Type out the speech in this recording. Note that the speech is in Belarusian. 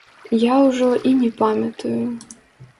Я ўжо і не памятаю.